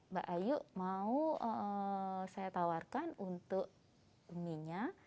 mbak ayu mau saya tawarkan untuk uminya